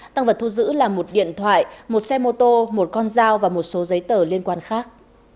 tăng vật thu giữ là một điện thoại một xe mô tô một con dao và một số giấy tờ liên quan khác